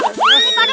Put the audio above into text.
berani badan lo gede